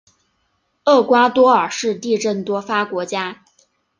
厄瓜多尔是地震多发国家。